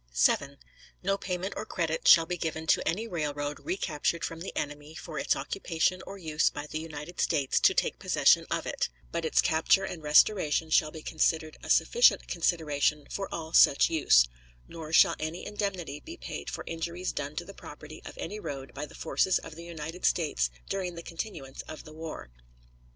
7. No payment or credit shall be given to any railroad recaptured from the enemy for its occupation or use by the United States to take possession of it, but its capture and restoration shall be considered a sufficient consideration for all such use; nor shall any indemnity be paid for injuries done to the property of any road by the forces of the United States during the continuance of the war.